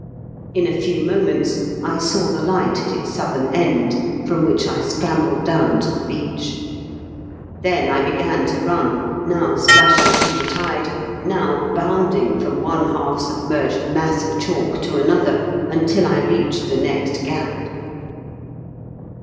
In a few moments I saw the light at its southern end, from which I scrambled down to the beach. Then I began to run, now splashing through the tide, now bounding from one half submerged mass of chalk to another, until I reached the next gap.